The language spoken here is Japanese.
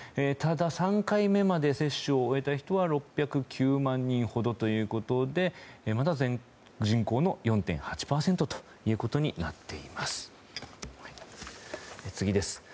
ただ、３回目まで接種を終えた人は６０９万人ほどということでまだ全人口の４．８％となっています。